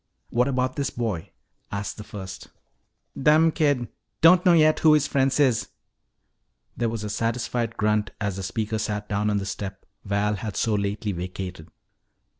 "What about this boy?" asked the first. "Dumb kid. Don't know yet who his friends is." There was a satisfied grunt as the speaker sat down on the step Val had so lately vacated.